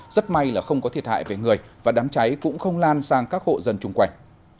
rất may là không có thiệt hại về người và đám cháy cũng không lan sang các hộ dân chung quanh